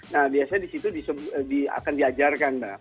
nah biasanya disitu akan diajarkan